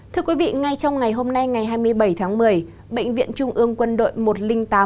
thưa quý vị ngay trong ngày hôm nay ngày hai mươi bảy tháng một mươi bệnh viện trung ương quân đội một trăm linh tám